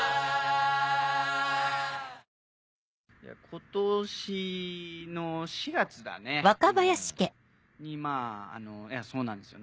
今年の４月だね。にまぁそうなんですよ